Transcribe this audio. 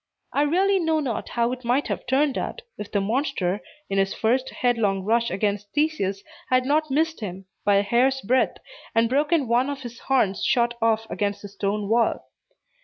I really know not how it might have turned out, if the monster, in his first headlong rush against Theseus, had not missed him, by a hair's breadth, and broken one of his horns short off against the stone wall.